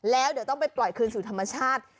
แล้วเดี๋ยวต้องไปปล่อยคืนสู่ธรรมชาติ